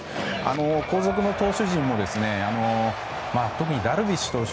後続の投手陣も特にダルビッシュ投手